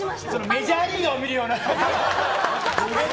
メジャーリーガーを見るような。